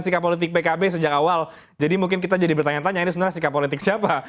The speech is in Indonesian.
sikap politik pkb sejak awal jadi mungkin kita jadi bertanya tanya ini sebenarnya sikap politik siapa